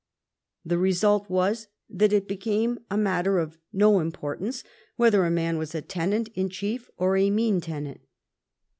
The resiilt was that it became a matter of no importance whether a man was a tenant in chief or a mesne tenant.